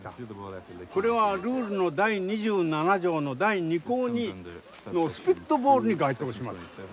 これはルールの第２７条の第２項のスピットボールに該当します。